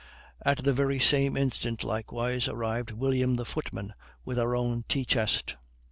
At the very same instant likewise arrived William the footman with our own tea chest.